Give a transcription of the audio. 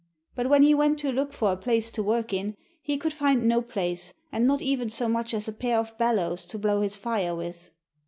But when he went to look for a place to work in, he could find no place, and not even so much as a pair of bellows to blow his fire with.